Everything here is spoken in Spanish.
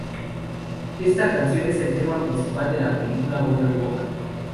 Esta canción es el tema principal de la película "Wonder Woman".